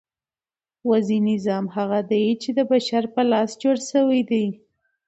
وضعي نظام هغه دئ، چي د بشر په لاس جوړ سوی دئ.